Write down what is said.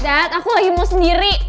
dad aku lagi mau sendiri